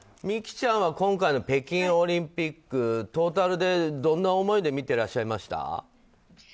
美姫ちゃんは今回の北京オリンピックトータルで、どんな思いで見てらっしゃいました？